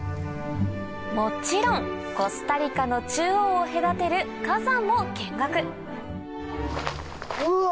もちろんコスタリカの中央を隔てる火山も見学うわ